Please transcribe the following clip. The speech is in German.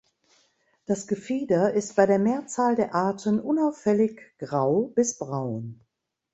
Das Gefieder ist bei der Mehrzahl der Arten unauffällig grau bis braun.